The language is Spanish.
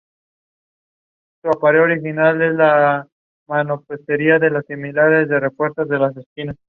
El edificio sobre zócalo de piedra almohadillado presenta los paramentos estriados.